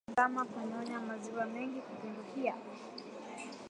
Ndama kunyonya maziwa mengi kupindukia